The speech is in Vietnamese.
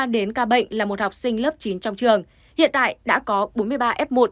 ba đến ca bệnh là một học sinh lớp chín trong trường hiện tại đã có bốn mươi ba f một